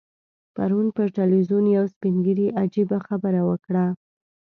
پرون پر ټلویزیون یو سپین ږیري عجیبه خبره وکړه.